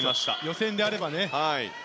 予選であればね。